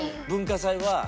文化祭は。